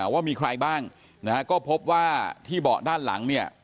ว่ามีใครบ้างนะฮะก็พบว่าที่เบาะด้านหลังเนี่ย